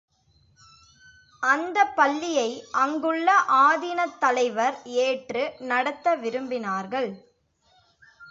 அந்தப் பள்ளியை அங்குள்ள ஆதீனத் தலைவர் ஏற்று நடத்த விரும்பினார்கள்.